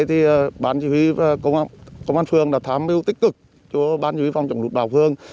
thì bán chỉ huy công an phường đã thám biểu tích cực cho bán chỉ huy phòng chống rụt bão phường